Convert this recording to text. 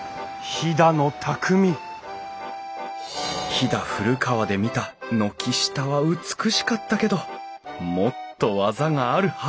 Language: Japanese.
飛騨古川で見た軒下は美しかったけどもっと技があるはず！